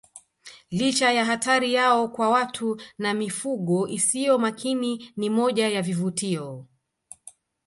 Licha ya hatari yao kwa watu na mifugo isiyo makini ni moja ya vivutio